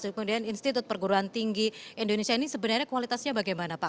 kemudian institut perguruan tinggi indonesia ini sebenarnya kualitasnya bagaimana pak